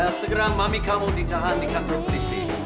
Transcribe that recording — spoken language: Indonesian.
ya segera mami kamu dicahan di kantor polisi